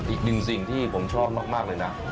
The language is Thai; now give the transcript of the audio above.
อีกหนึ่งสิ่งที่ผมชอบมากเลยนะ